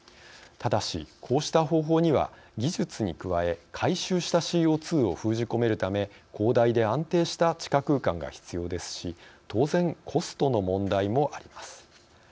ただし、こうした方法には技術に加え、回収したＣＯ２を封じ込めるため広大で安定した地下空間が必要ですし当然コストの問題もあります。